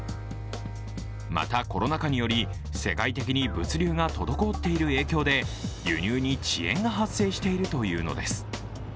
また、コロナ禍により世界的に物流が滞っている影響で輸入に遅延が発生しているというのです。